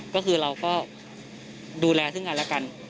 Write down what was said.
ก็คือเราก็ดูแลซึ่งกันแล้วกัน